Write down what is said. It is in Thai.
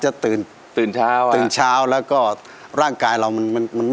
หรือรังเกียจฉันนั้นมันดำม่อต่อ